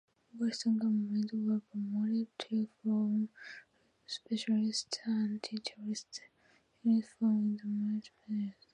Western governments were prompted to form specialist anti-terrorist units following the "Munich massacre".